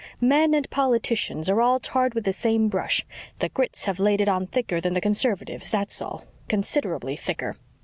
"Men and politicians are all tarred with the same brush. The Grits have it laid on thicker than the Conservatives, that's all CONSIDERABLY thicker.